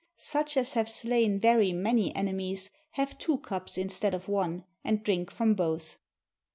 Such as have slain very many ene mies have two cups instead of one, and drink from both.